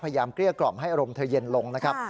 เกลี้ยกล่อมให้อารมณ์เธอเย็นลงนะครับ